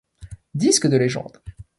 Disques de légende.